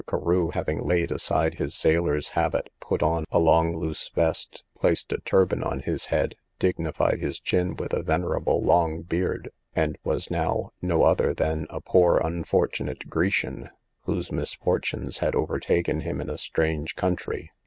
Carew having laid aside his sailor's habit, put on a long loose vest, placed a turban on his head, dignified his chin with a venerable long beard, and was now no other than a poor unfortunate Grecian, whose misfortunes had overtaken him in a strange country.